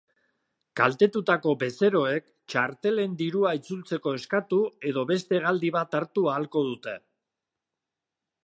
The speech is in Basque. Kaltetutako bezeroek txartelen dirua itzultzeko eskatu edo beste hegaldi bat hartu ahalko dute.